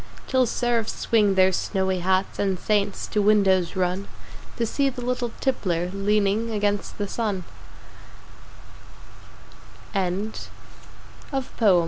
Till Seraphs swing their snowy Hats And Saints to windows run To see the little Tippler Leaning against the Sun Emily Dickinso